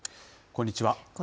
こんにちは。